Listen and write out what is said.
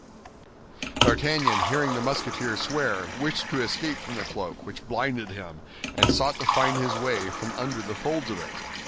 D'Artagnan, hearing the Musketeer swear, wished to escape from the cloak, which blinded him, and sought to find his way from under the folds of it.